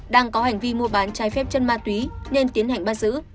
đang có hành vi mua bán chai phép chân mặt túy nên tiến hành bắt giữ